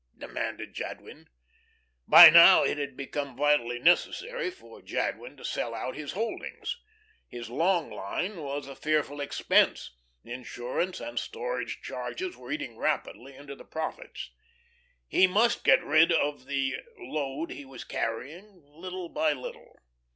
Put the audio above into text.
demanded Jadwin. By now it had became vitally necessary for Jadwin to sell out his holdings. His "long line" was a fearful expense, insurance and storage charges were eating rapidly into the profits. He must get rid of the load he was carrying, little by little.